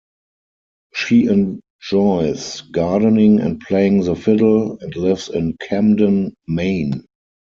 She enjoys gardening and playing the fiddle, and lives in Camden, Maine.